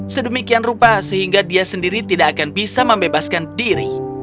sedemikian rupa sehingga dia sendiri tidak akan bisa membebaskan diri